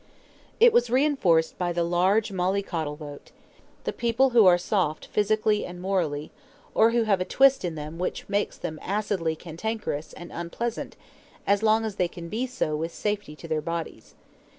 It was reinforced by the large mollycoddle vote the people who are soft physically and morally, or who have a twist in them which makes them acidly cantankerous and unpleasant as long as they can be so with safety to their bodies.